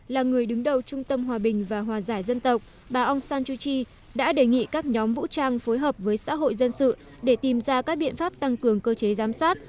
là người đứng đầu trung tâm hòa bình và hòa giải dân tộc bà aung san chuji đã đề nghị các nhóm vũ trang phối hợp với xã hội dân sự để tìm ra các biện pháp tăng cường cơ chế giám sát